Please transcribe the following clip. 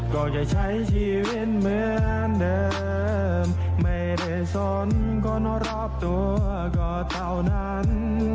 ก็จะใช้ชีวิตเหมือนเดิมไม่ได้สนคนรอบตัวก็เท่านั้น